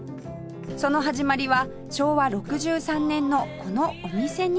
その始まりは昭和６３年のこのお店にさかのぼります